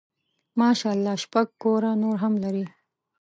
ماشاء الله شپږ کوره نور هم لري.